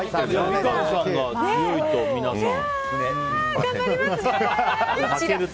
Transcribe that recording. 三上さんが強いと皆さん。